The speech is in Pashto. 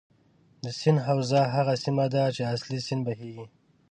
د سیند حوزه هغه سیمه ده چې اصلي سیند بهیږي.